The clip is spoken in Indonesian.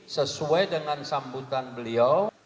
sesuai dengan sambutan beliau